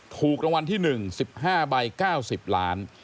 ถูกรางวัลที่๑๑๕ใบ๙๐ล้าน